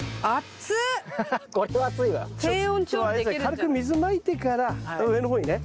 軽く水まいてから上の方にね。